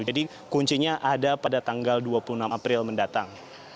jadi kuncinya ada pada tanggal dua puluh enam april mendatang